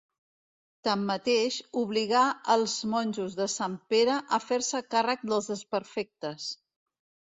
Tanmateix, obligà els monjos de Sant Pere a fer-se càrrec dels desperfectes.